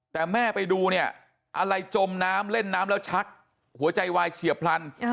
แต่แม่ไปดูเนี่ยอะไรจมน้ำเล่นน้ำแล้วชักหัวใจวายเฉียบพลัน